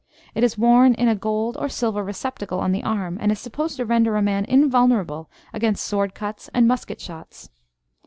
It is worn in a gold or silver receptacle on the arm, and is supposed to render a man invulnerable against sword cuts and musket shots.